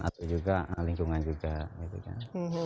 atau juga lingkungan juga gitu kan